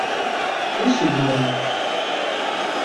Plysjeburo.